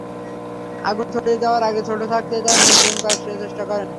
আগুন ছড়িয়ে যাওয়ার আগে ছোট থাকতেই তাঁরা নিয়ন্ত্রণ করার চেষ্টা করেন।